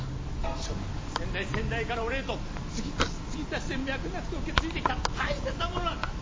初代から先代先代から俺へとつぎ足しつぎ足しで脈々と受け継いできた大切なものなんだ！